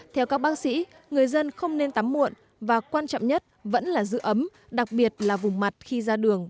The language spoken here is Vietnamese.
theo các bác sĩ người dân không nên tắm muộn và quan trọng nhất vẫn là giữ ấm đặc biệt là vùng mặt khi ra đường